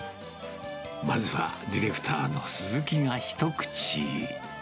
まずはディレクターのすずきが一口。